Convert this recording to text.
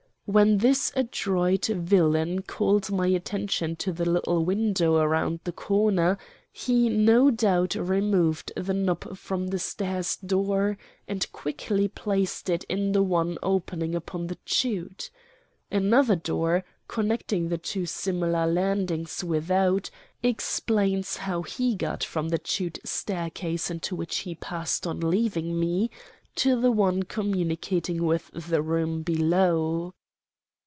When this adroit villain called my attention to the little window around the corner, he no doubt removed the knob from the stairs' door and quickly placed it in the one opening upon the chute. Another door, connecting the two similar landings without, explains how he got from the chute staircase into which he passed, on leaving me, to the one communicating with the room below.